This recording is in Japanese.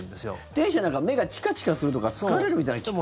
電子ってなんか目がチカチカするとか疲れるみたいなの聞くけど。